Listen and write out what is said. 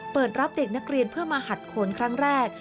เปิดรับเด็กนักเรียนเพื่อมาหัดโขนครั้งแรก